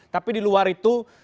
tapi di luar itu